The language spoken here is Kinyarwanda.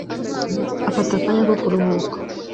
afata akanya ko kuruhuka